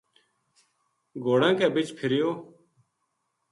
گھوڑاں کے بِچ پھریو